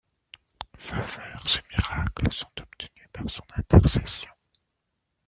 Faveurs et miracles sont obtenues par son intercession.